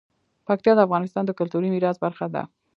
پکتیا د افغانستان د کلتوري میراث برخه ده.